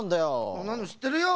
そんなのしってるよ。